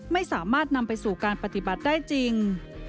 ไม่สามารถนำไปสู่การปฏิบัติได้จริง